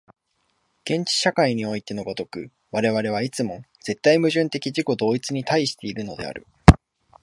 原始社会においての如く、我々はいつも絶対矛盾的自己同一に対しているのである。